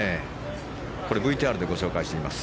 ＶＴＲでご紹介しています。